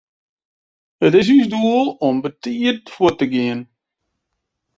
It is ús doel om betiid fuort te gean.